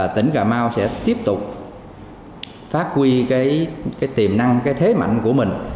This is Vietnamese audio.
tỉnh cà mau sẽ tiếp tục phát huy tiềm năng thế mạnh của mình